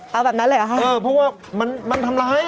เอาแบบนั้นเลยอะคะอือเพราะว่ามันทำร้ายอะ